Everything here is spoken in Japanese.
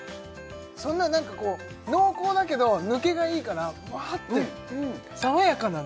そんな何かこう濃厚だけど抜けがいいからふわって爽やかなの